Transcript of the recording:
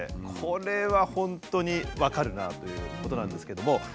これは本当に分かるなあということなんですけども。